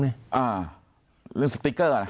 อ่าเรื่องสติ๊กเกอร์ล่ะ